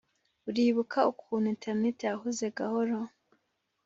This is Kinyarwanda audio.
uribuka ukuntu interineti yahoze gahoro?